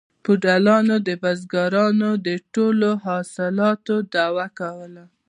فیوډالانو د بزګرانو د ټولو محصولاتو دعوه کوله